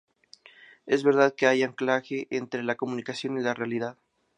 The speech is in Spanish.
Es verdad que hay un anclaje entre la comunicación y la realidad..